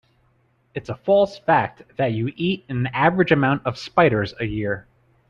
It's a false fact that you eat an average amount of spiders a year.